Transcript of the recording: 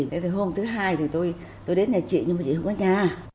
thế ngày hôm thứ hai thì tôi đến nhà chị nhưng mà chị không ở nhà